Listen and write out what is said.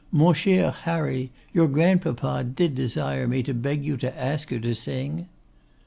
'Mon cher Harry, your grandpapa did desire me to beg you to ask her to sing.